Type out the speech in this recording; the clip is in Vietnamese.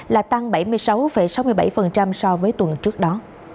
là tăng bảy mươi sáu sáu mươi bảy so với tuần trước đó